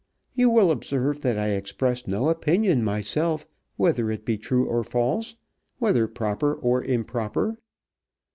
You will observe that I express no opinion myself whether it be true or false, whether proper or improper.